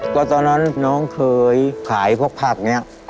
ก็ตอนนั้นน้องเคยขายพวกผักนี้